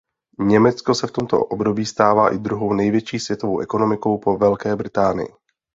Německo se v tomto období stává i druhou největší světovou ekonomikou po Velké Británii.